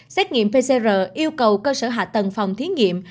xét nghiệm pcr yêu cầu cơ sở hạ tầng phòng thí nghiệm